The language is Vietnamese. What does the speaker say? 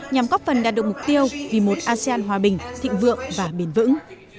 nhằm góp phần đạt được mục tiêu vì một asean hòa bình thịnh vượng và bền vững